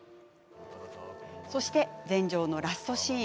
そして、全成のラストシーン。